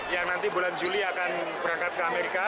yang nanti bulan juli akan berangkat ke amerika